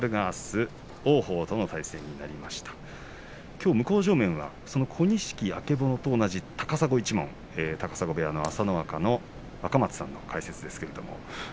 きょう向正面は小錦や曙と同じ高砂一門高砂部屋の朝乃若の若松さんの解説です。